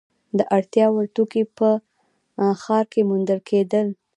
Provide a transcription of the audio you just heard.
د اړتیا وړ توکي په ب ښار کې موندل کیدل.